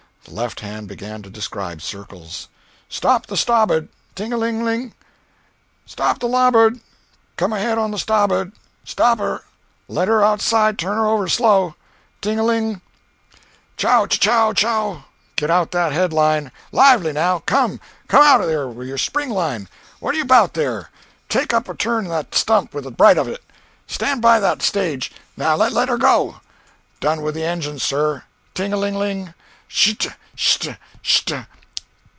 The left hand began to describe circles. "Stop the stabboard! Ting a ling ling! Stop the labboard! Come ahead on the stabboard! Stop her! Let your outside turn over slow! Ting a ling ling! Chow ow ow! Get out that head line! lively now! Come—out with your spring line—what're you about there! Take a turn round that stump with the bight of it! Stand by that stage, now—let her go! Done with the engines, sir! Ting a ling ling! SH'T! S'H'T! SH'T!"